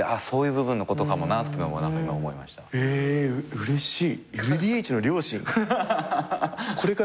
うれしい！